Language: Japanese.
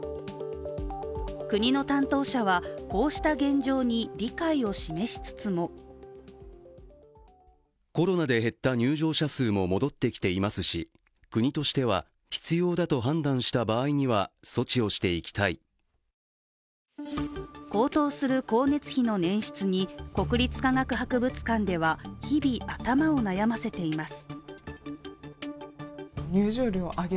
国の担当者は、こうした現状に理解を示しつつも高騰する光熱費の捻出に国立科学博物館では日々、頭を悩ませています。